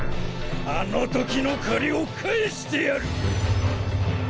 あのときの借りを返してやる！